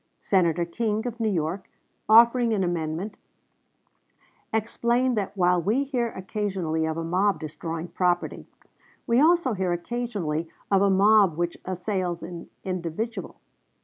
Senator King, of New York, offering an amendment, explained that while we hear occasionally of a mob destroying property, we also hear occasionally of a mob which assails an individual.